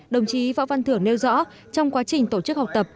đồng chí võ văn thưởng nêu rõ trong quá trình tổ chức học tập